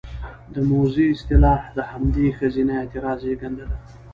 د موذي اصطلاح د همدغې ښځينه اعتراض زېږنده دى: